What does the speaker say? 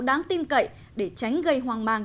đáng tin cậy để tránh gây hoang mang